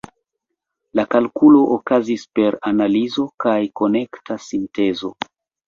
La kalkulo okazis per analizo kaj konekta sintezo.